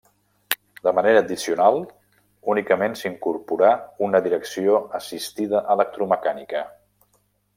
De manera addicional únicament s'incorporà una direcció assistida electromecànica.